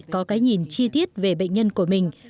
có cái nhìn chi tiết về bệnh nhân của mình